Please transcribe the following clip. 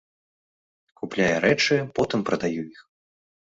Купляю рэчы, потым прадаю іх.